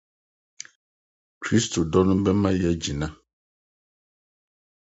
Kristo dɔ no bɛma yɛagyina.